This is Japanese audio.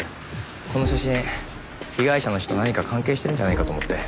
この写真被害者の死と何か関係しているんじゃないかと思って。